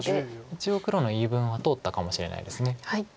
一応黒の言い分は通ったかもしれないです。